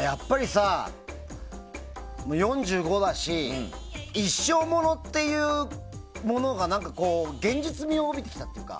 やっぱりさ、４５だし一生モノっていうものが現実味を帯びてきたというか。